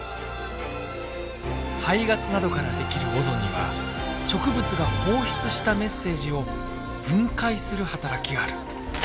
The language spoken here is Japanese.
排ガスなどから出来るオゾンには植物が放出したメッセージを分解する働きがある。